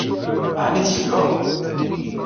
Aɛni tselbeḍ?